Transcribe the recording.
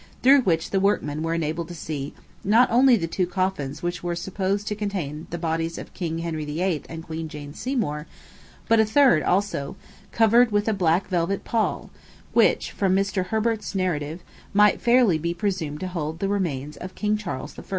through which the workmen were enabled to see, not only the two coffins which were supposed to contain the bodies of King Henry VIII. and Queen Jane Seymour, but a third also, covered with a black velvet pall, which, from Mr. Herbert's narrative, might fairly be presumed to hold the remains of King Charles I.